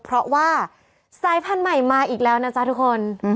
เพราะว่าสายพันธุ์ใหม่มาอีกแล้วนะจ๊ะทุกคน